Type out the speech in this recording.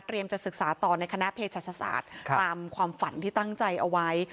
จะศึกษาต่อในคณะเพศศาสตร์ตามความฝันที่ตั้งใจเอาไว้